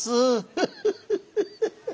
フフフフフフ。